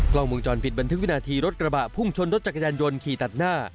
กล้องวงจรปิดบันทึกวินาทีรถกระบะพุ่งชนรถจักรยานยนต์ขี่ตัดหน้า